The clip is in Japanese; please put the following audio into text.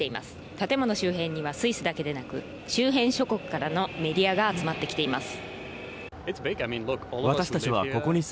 建物周辺にはスイスだけでなく周辺諸国からメディアが集まってきています。